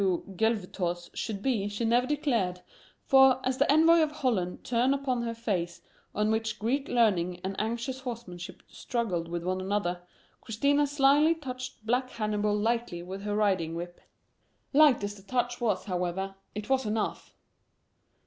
Just what [gr tou gelwtos] should be she never declared, for, as the envoy of Holland turned upon her a face on which Greek learning and anxious horsemanship struggled with one another, Christina slyly touched black Hannibal lightly with her riding whip. Light as the touch was, however, it was enough.